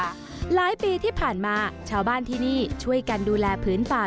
หลายปีที่ผ่านมาชาวบ้านที่นี่ช่วยกันดูแลผืนป่า